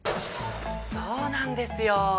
そうなんですよ